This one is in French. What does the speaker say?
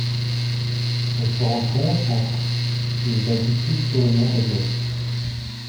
Elle se rencontre entre et d'altitude sur le mont Elliot.